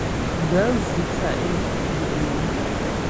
Gaə̂ vʉ shwá' é gú' yəŋ.